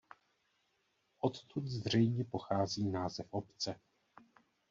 Odtud zřejmě pochází název obce.